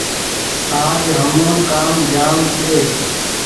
آج هم ڪآم جآم ڪيۮي